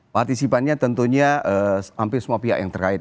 partisipannya tentunya hampir semua pihak yang terkait